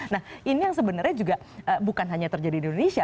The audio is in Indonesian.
nah ini yang sebenarnya juga bukan hanya terjadi di indonesia